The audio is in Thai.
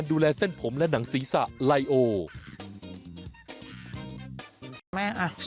นะฮะเอาล่ะ